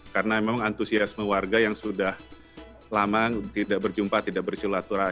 karena memang antusiasme warga yang sudah lama tidak berjumpa tidak bersyulat